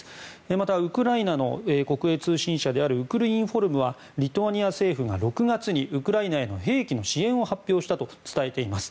また、ウクライナの国営通信社であるウクルインフォルムはリトアニア政府が６月にウクライナへの兵器の支援を発表したと伝えています。